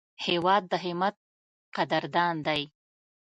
هېواد د همت قدردان دی.